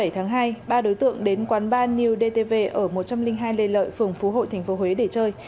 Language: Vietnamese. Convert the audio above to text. bảy tháng hai ba đối tượng đến quán bar new dtv ở một trăm linh hai lê lợi phường phú hội tp huế để chơi